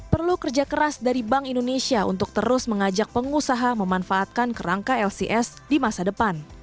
perlu kerja keras dari bank indonesia untuk terus mengajak pengusaha memanfaatkan kerangka lcs di masa depan